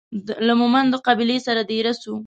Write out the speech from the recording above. له مومندو قبیلې سره دېره سو.